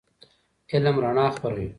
علم رڼا خپروي.